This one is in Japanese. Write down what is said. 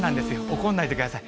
怒んないでください。